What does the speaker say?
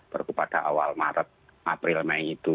baru pada awal maret april mei itu